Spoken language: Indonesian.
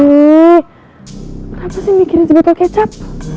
kenapa sih mikirin sebotol kecap